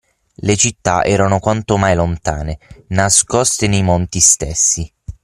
Le città era quanto mai lontane, nascoste nei monti stessi.